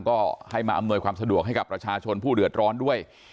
ก็ให้มาอำนวยความสะดวกให้กับประชาชนผู้เดือดร้อนด้วย